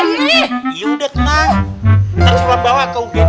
ntar suruh bawa ke ugd